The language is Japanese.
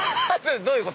どういうこと？